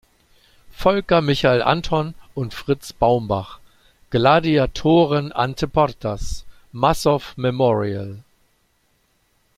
Volker-Michael Anton und Fritz Baumbach: "Gladiatoren ante portas: Massow-Memorial".